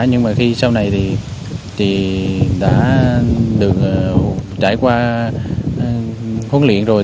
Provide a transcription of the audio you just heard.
nhưng mà khi sau này thì đã được trải qua huấn luyện rồi